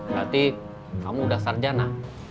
berarti kamu udah sarjana